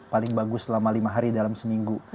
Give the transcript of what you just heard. paling bagus selama lima hari dalam seminggu